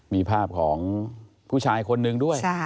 มีภาพของผู้ชายคนนึงด้วย